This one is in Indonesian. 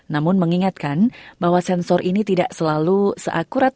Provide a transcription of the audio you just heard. namun mengingatkan bahwa sensor ini tidak selalu seakurat